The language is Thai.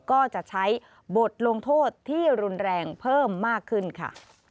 ก็จะใช้บทลงโทษที่รุนแรงเพิ่มมากขึ้นค่ะ